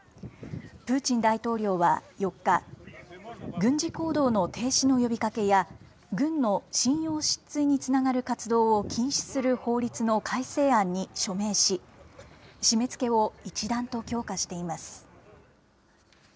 プーチン大統領は、４日、軍事行動の停止の呼びかけや、軍の信用失墜につながる活動を禁止する法律の改正案に署名し、締めつけを一段と強化しています。